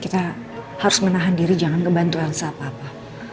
kita harus menahan diri jangan kebantu angsa apa apa